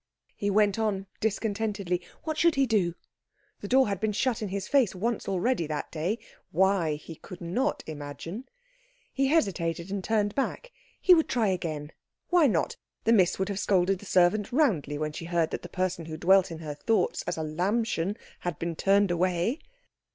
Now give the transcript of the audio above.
He went on discontentedly. What should he do? The door had been shut in his face once already that day, why he could not imagine. He hesitated, and turned back. He would try again. Why not? The Miss would have scolded the servant roundly when she heard that the person who dwelt in her thoughts as a Lämmchen had been turned away.